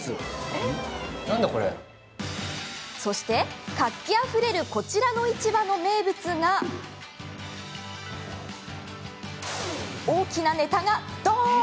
そして、活気あふれるこちらの市場の名物が大きなネタが、どーん！